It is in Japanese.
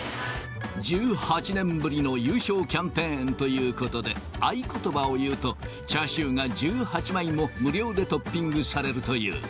１８年ぶりの優勝キャンペーンということで、合言葉を言うと、チャーシューが１８枚も無料でトッピングされるという。